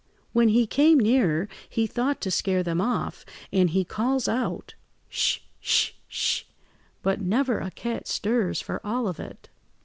When he came nearer he thought to scare them off, and he calls out— "'Sh—sh—sh,' but never a cat stirs for all of it.